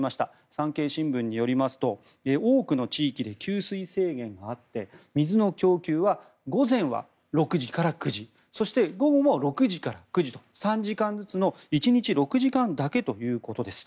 産経新聞によりますと多くの地域で給水制限があって水の供給は午前は６時から９時そして午後も６時から９時と３時間ずつの３時間ずつの１日６時間だけということです。